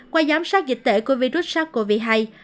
qua giám sát dịch tệ của virus sát covid hai